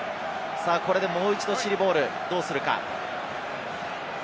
これでもう一度チリボール、どうするか？